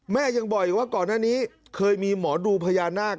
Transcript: ยังบอกอีกว่าก่อนหน้านี้เคยมีหมอดูพญานาค